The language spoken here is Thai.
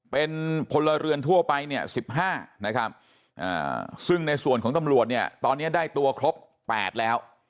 เป็นพลเรือนทั่วไปเนี่ย๑๕นะครับซึ่งในส่วนของตำรวจเนี่ยตอนนี้ได้ตัวครบ๘แล้ว